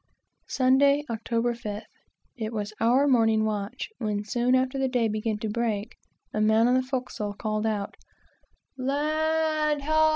Sunday, October 5th. It was our morning watch; when, soon after the day began to break, a man on the forecastle called out, "Land ho!"